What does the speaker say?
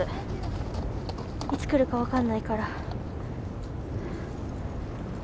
いつ来るか分かんないから。